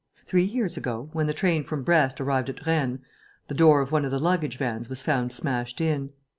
Three years ago, when the train from Brest arrived at Rennes, the door of one of the luggage vans was found smashed in.